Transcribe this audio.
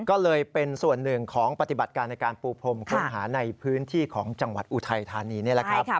ก็เลยเป็นส่วนหนึ่งของปฏิบัติการในการปูพรมค้นหาในพื้นที่ของจังหวัดอุทัยธานีนี่แหละครับ